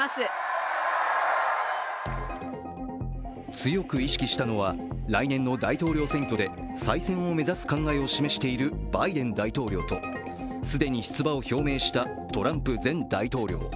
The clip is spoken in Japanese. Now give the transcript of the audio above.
強く意識したのは、来年の大統領選挙で再選を目指す考えを示しているバイデン大統領と既に出馬を表明したトランプ前大統領。